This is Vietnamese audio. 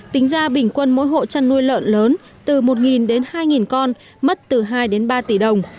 tính ra bình quân mỗi hộ chăn nuôi lợn lớn từ một đến hai con mất từ hai đến ba tỷ đồng